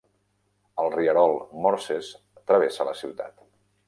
El rierol Morses travessa la ciutat.